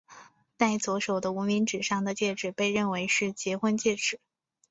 戴左手的无名指上的戒指被认为是结婚戒指。